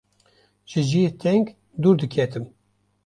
ji cihê teng dûr diketim.